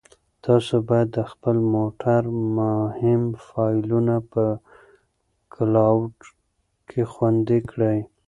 تاسو باید د خپل کمپیوټر مهم فایلونه په کلاوډ کې خوندي کړئ.